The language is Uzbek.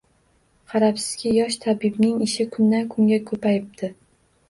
Qarabsizki, yosh tabibning ishi kundan-kunga ko‘payibdi